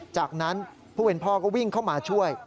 จากนั้นผู้เป็นพ่อก็วิ่งเข้ามาช่วย